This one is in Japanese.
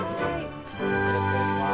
よろしくお願いします。